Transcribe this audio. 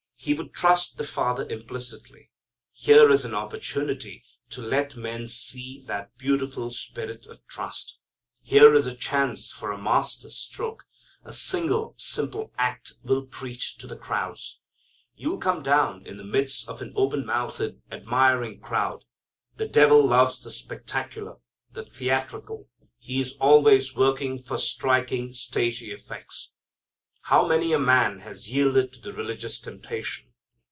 He would trust the Father implicitly. Here is an opportunity to let men see that beautiful spirit of trust. Here is a chance for a master stroke. A single simple act will preach to the crowds. "You'll come down in the midst of an open mouthed, admiring crowd." The devil loves the spectacular, the theatrical. He is always working for striking, stagy effects. How many a man has yielded to the religious temptation!